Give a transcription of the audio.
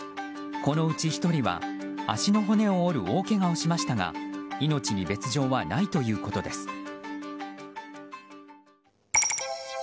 このうち１人は足の骨を折る大けがをしましたが命に別条はないということです。